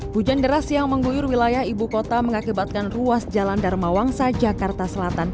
hujan deras yang mengguyur wilayah ibu kota mengakibatkan ruas jalan dharma wangsa jakarta selatan